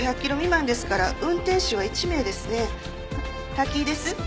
滝井です。